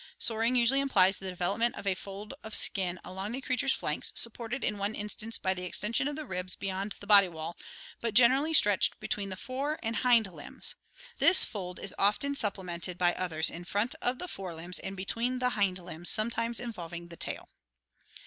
Soaring usually implies the development of a fold of skin along the creature's flanks, supported in one instance by the exten sion of the ribs beyond the body wall, but generally stretched between the fore and hind limbs. This fold is often supplemented by others in front of the fore limbs and between the hind limbs, sometimes involving the tail.